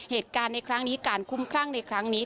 เหตุการณ์ในครั้งนี้การคุ้มครั่งในครั้งนี้